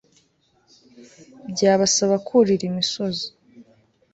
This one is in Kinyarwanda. Byabasabaga kurira imisozi